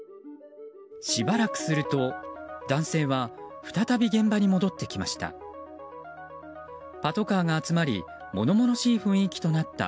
しばらくすると男性は再び現場に戻ってきました。